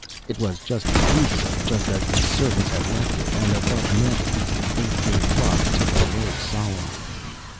It was just as usual, just as the servants had left it, and above the mantelpiece the eight day clock ticked away solemnly.